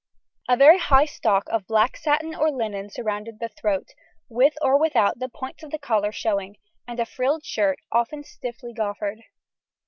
A very high stock of black satin or linen surrounded the throat, with or without the points of collar showing, and a frilled shirt, often stiffly goffered.